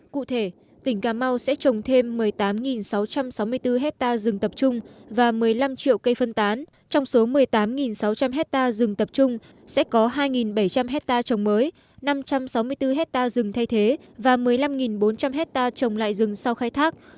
cụ thể tỉnh cà mau sẽ trồng thêm một mươi tám sáu trăm sáu mươi bốn hectare rừng tập trung và một mươi năm triệu cây phân tán trong số một mươi tám sáu trăm linh hectare rừng tập trung sẽ có hai bảy trăm linh hectare trồng mới năm trăm sáu mươi bốn hectare rừng thay thế và một mươi năm bốn trăm linh hectare trồng lại rừng sau khai thác